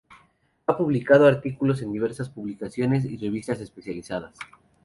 Ha publicado artículos en diversas publicaciones y revistas especializadas.